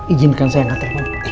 ijinkan saya angkat telepon